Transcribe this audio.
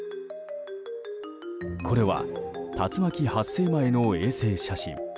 これは竜巻発生前の衛星写真。